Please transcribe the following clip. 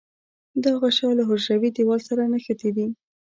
دا غشا له حجروي دیوال سره نښتې وي.